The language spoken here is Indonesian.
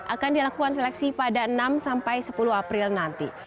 akan dilakukan seleksi pada enam sampai sepuluh april nanti